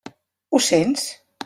Ho sents?